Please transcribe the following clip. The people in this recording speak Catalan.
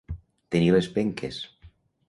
Tenir les penques.